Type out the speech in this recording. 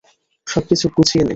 সবকিছু গুছিয়ে নে।